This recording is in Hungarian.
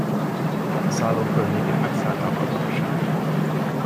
A szálló környékét megszállta a katonaság.